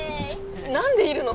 何でいるの？